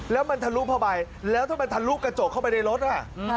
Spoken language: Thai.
แล้วมันทะลุพะใบแล้วทำไมทะลุกระจกเข้าไปในรถล่ะ